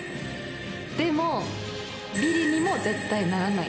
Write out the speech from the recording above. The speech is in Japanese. でも、ビリにも絶対ならない。